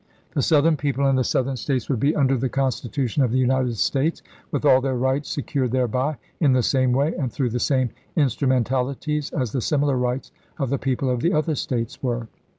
The Southern people and the Southern States would be under the Constitution of the United States, with all their rights secured thereby, st^a?s' in the same way, and through the same instrumen theS&Si." talities, as the similar rights of the people of the p^eVen. other States were."